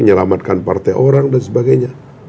menyelamatkan partai orang dan sebagainya